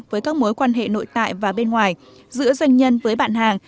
với các mối quan hệ nội tại và bên ngoài giữa doanh nhân với bạn hàng